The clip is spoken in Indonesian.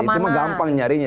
itu mah gampang nyariinnya